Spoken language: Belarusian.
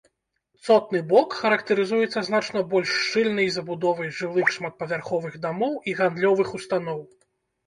Цотны бок характарызуецца значна больш шчыльнай забудовай жылых шматпавярховых дамоў і гандлёвых устаноў.